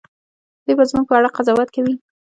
دوی به زموږ په اړه قضاوت کوي.